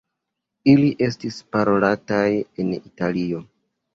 Ili estis parolataj en Italio.